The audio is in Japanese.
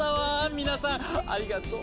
皆さんありがとう。